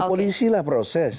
polisi lah proses